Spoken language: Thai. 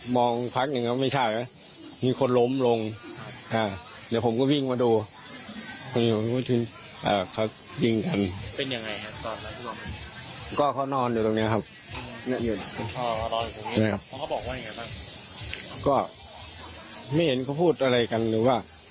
ไม่ได้เห็นเขาพูดอะไรกันเรื่องว่า